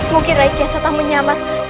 mungkin rai kian santang menyamar